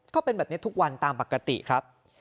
ก็เป็นแบบนี้ทุกวันตามปกติครับ